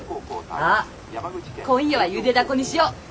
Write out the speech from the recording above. あっ今夜はゆでだこにしよ。